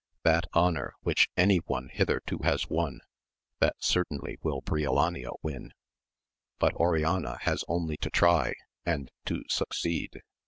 That honour which any one hitherto has won, that certainly will Briolania win : but Oriana has only to try and to succeed.